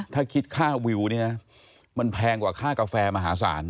ถ้าคิดค่าวิวนี่นะมันแพงกว่าค่ากาแฟมหาศาล